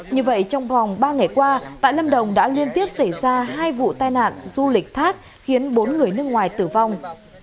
như vậy trong vòng ba ngày qua tại lâm đồng đã liên tiếp xảy ra hai vụ tai nạn du lịch thác khiến bốn người nước ngoài tử vong